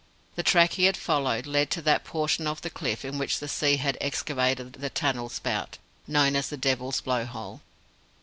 The track he had followed led to that portion of the cliff in which the sea had excavated the tunnel spout known as the Devil's Blow hole.